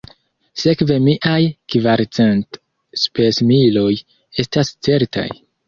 Sekve miaj kvarcent spesmiloj estas certaj?